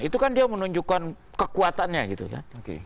itu kan dia menunjukkan kekuatannya gitu kan